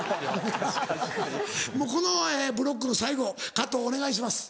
もうこのブロックの最後加藤お願いします。